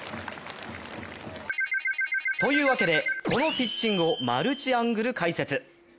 というわけで、このピッチングをマルチアングル解説。